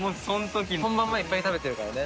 本番前いっぱい食べてるからね。